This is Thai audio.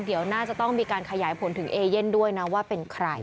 เดี๋ยวน่าจะต้องมีการขยายผลถึงเอเย่นด้วยนะว่าเป็นใคร